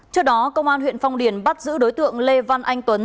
trước đó công an huyện phong điền bắt giữ đối tượng lê văn anh tuấn